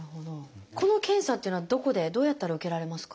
この検査っていうのはどこでどうやったら受けられますか？